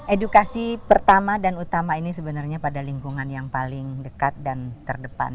edukasi pertama dan utama ini sebenarnya pada lingkungan yang paling dekat dan terdepan